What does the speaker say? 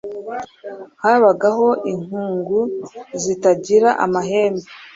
Habagaho n’inkungu zitagira amahembe